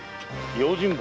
用心棒。